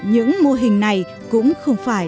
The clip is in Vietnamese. những mô hình này cũng không phải